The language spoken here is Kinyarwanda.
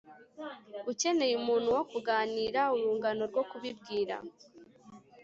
ukeneye umuntu wo kuganira, urungano rwo kubibwira